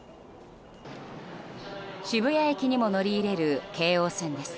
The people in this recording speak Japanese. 渋谷駅にも乗り入れる京王線です。